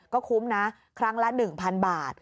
ก็คุ้มนะครั้งละ๑๐๐๐บาท